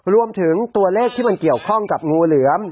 รวมถึงตัวเลขที่มันเกี่ยวข้องกับงูเหลือม